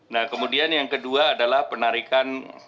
nah kemudian yang kedua adalah penarikan